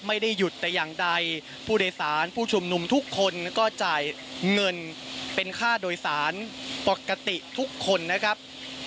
ไม่ได้หยุดแต่อย่างใดผู้โดยสารผู้ชุมนุมทุกคนก็จ่ายเงินเป็นค่าโดยสารปกติทุกคนนะครับ